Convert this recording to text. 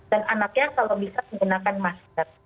dan anaknya kalau bisa menggunakan masker